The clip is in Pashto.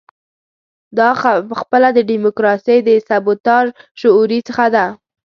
دا پخپله د ډیموکراسۍ د سبوتاژ شعوري هڅه ده.